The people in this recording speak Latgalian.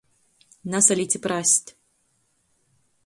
Nasalic i prast.